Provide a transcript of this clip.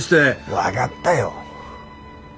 分がったよ。